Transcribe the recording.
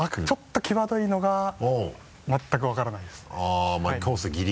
ちょっときわどいのが全く分からないですね。